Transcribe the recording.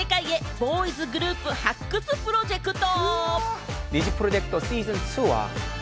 ボーイズグループ発掘プロジェクト。